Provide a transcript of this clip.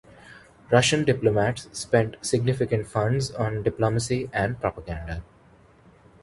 Russian diplomats spent significant funds on diplomacy and propaganda.